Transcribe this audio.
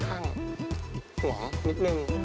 สวัสดีครับสวัสดีครับ